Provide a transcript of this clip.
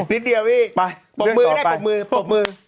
นิดเดียวอีกปบมือได้ปบมือ